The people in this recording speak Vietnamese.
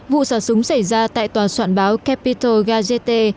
vụ xả súng xảy ra tại tòa soạn báo capitol gazette